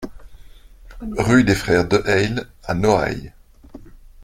Rue des Frères Deheille à Noailles